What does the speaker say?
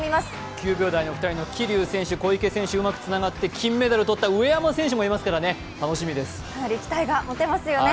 ９秒台の２人の桐生選手、小池選手のうまくつながって金メダル取った上山選手もいますからね、かなり期待が持てますよね。